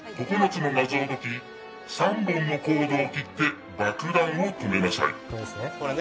９つの謎を解き、３本のコードを切って爆弾を止めなさい。